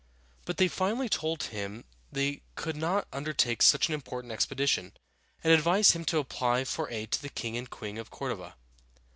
] But they finally told him they could not undertake such an important expedition, and advised him to apply for aid to the king and queen at Cor´do va.